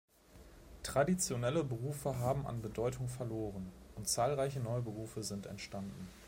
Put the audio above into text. Traditionelle Berufe haben an Bedeutung verloren, und zahlreiche neue Berufe sind entstanden.